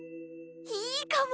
いいかも！